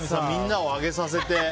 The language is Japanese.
みんなを上げさせて。